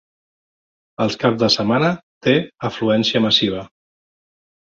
Els caps de setmana té afluència massiva.